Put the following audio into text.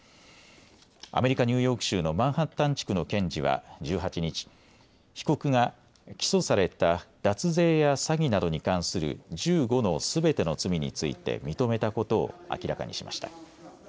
アメリカ・ニューヨーク州のマンハッタン地区の検事は１８日、被告が起訴された脱税や詐欺などに関する１５のすべての罪について認めたことを明らかにしました。